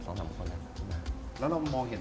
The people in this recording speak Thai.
๒๓คนแล้วแล้วเรามองเห็น